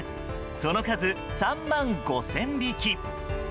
その数、３万５０００匹。